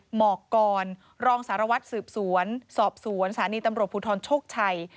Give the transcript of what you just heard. หมอกกรรองสารวัตรสืบสวนสอบสวนสถานีตำรวจภูทรโชคชัย